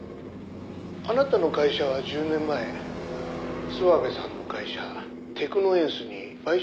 「あなたの会社は１０年前諏訪部さんの会社テクノエンスに買収されたそうですね」